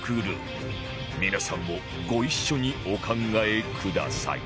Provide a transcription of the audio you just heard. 皆さんもご一緒にお考えください